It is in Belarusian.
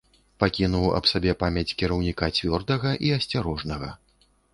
Пакінуў аб сабе памяць кіраўніка цвёрдага і асцярожнага.